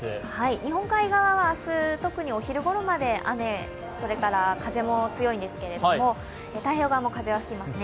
日本海側は明日特にお昼ごろまで雨それから風も強いんですけれども、太平洋側も風は吹きますね。